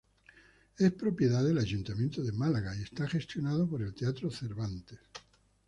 Es propiedad del Ayuntamiento de Málaga y está gestionado por el teatro Cervantes.